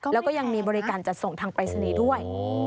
แล้วก็ยังมีบริการจัดส่งทางปรายศนีย์ด้วย